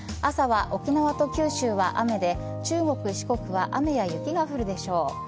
朝は、沖縄と九州は雨で中国、四国は雨や雪が降るでしょう。